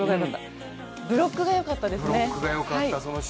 ブロックがよかったですね。